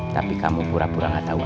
tapi kamu pura pura ngasih perintahnya